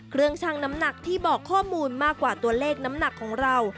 ช่างน้ำหนักที่บอกข้อมูลมากกว่าตัวเลขน้ำหนักของเรา